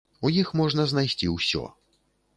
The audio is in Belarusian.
У іх можна знайсці ўсё.